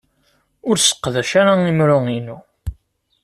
Ur sseqdac ara imru-inu.